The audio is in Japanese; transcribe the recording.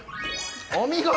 お見事！